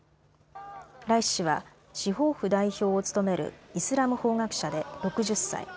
ライシ師は司法府代表を務めるイスラム法学者で６０歳。